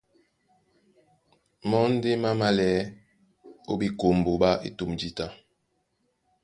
Mɔ́ ndé má mālɛɛ́ ó ɓekombo ɓá etûm jǐta.